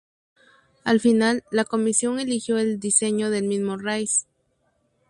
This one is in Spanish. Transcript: Al final, la comisión eligió el diseño del mismo Rice.